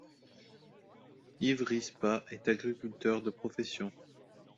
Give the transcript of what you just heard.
Yves Rispat est agriculteur de profession.